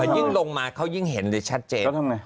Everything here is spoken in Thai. ยิ่งลงมาเขายิ่งเห็นหรือชัดเจน